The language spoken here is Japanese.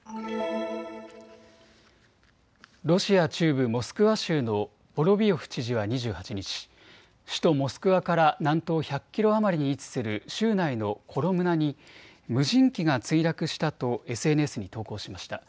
ロシア中部モスクワ州のボロビヨフ知事は２８日、首都モスクワから南東１００キロ余りに位置する州内のコロムナに無人機が墜落したとＳＮＳに投稿しました。